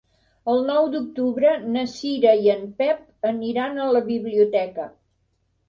El nou d'octubre na Cira i en Pep aniran a la biblioteca.